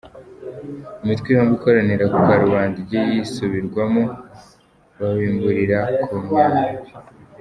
" Imitwe yombi ikoranira ku karubanda, inge zisubirwamo babimburira ku myambi.